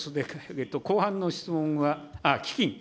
後半の質問は、基金。